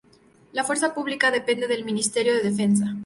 La Fuerza Pública depende del Ministerio de Defensa.